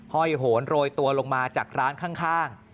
ห้อยโหนโรยตัวลงมาจากร้านข้าง